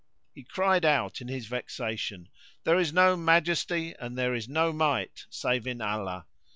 He cried out in his vexation "There is no Majesty and there is no Might save in Allah!"